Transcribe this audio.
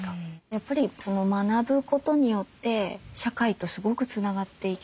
やっぱり学ぶことによって社会とすごくつながっていける。